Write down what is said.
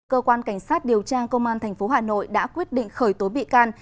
cơ quan cảnh sát điều tra công an tp hà nội đã quyết định khởi tố bị can